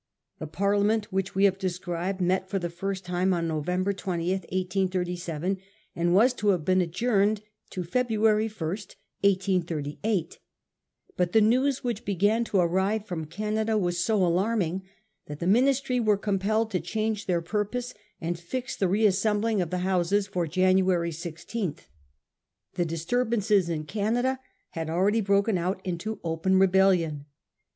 Tbe Parliament which we have described met for the first time on November 20, 1837, and was to have been adjourned to February 1, 1838 ; but the news which began to arrive from Canada was so alarming, that the Ministry were compelled to change their purpose and fix the reassembling of the Houses for January 16. The disturbances in Canada had already broken out into open rebellion.